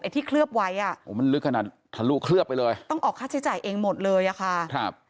ที่เคลือบไว้อ่ะโอ้มันลึกขนาดทะลุเคลือบไปเลยต้องออกค่าใช้จ่ายเองหมดเลยอ่ะค่ะครับ